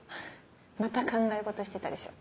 また考え事してたでしょ。